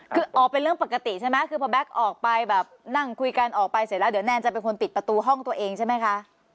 คืออ๋อเป็นเรื่องปกติใช่ไหมคือพอแก๊กออกไปแบบนั่งคุยกันออกไปเสร็จแล้วเดี๋ยวแนนจะเป็นคนปิดประตูห้องตัวเองใช่ไหมคะ